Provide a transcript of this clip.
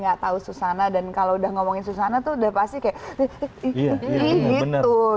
gak tahu susana dan kalau udah ngomongin susana tuh udah pasti kayak gitu